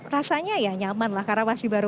rasanya ya nyaman lah karena masih baru